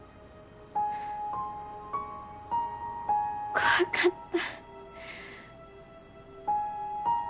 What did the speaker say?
怖かった。